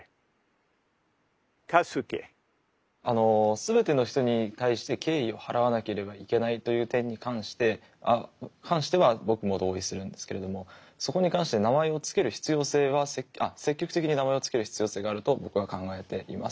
全ての人に対して敬意を払わなければいけないという点に関しては僕も同意するんですけれどもそこに関して名前を付ける必要性は積極的に名前を付ける必要性があると僕は考えています。